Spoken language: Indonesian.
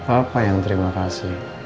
apa yang terima kasih